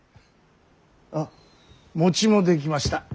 あっ餅も出来ました。